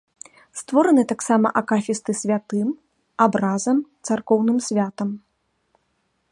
Створаны таксама акафісты святым, абразам, царкоўным святам.